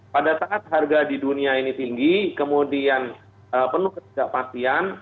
pada saat harga di dunia ini tinggi kemudian penuh ketidakpastian